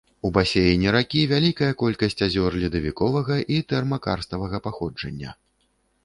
У басейне ракі вялікая колькасць азёр ледавіковага і тэрмакарставага паходжання.